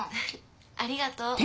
ありがとう。